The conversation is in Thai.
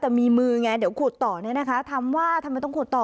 แต่มีมือไงเดี๋ยวขุดต่อเนี่ยนะคะถามว่าทำไมต้องขุดต่อ